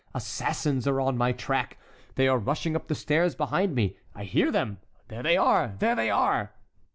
Assassins are in my track—they are rushing up the stairs behind me. I hear them—there they are! there they are!"